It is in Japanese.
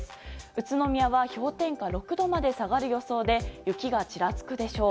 宇都宮は氷点下６度まで下がる予想で雪がちらつくでしょう。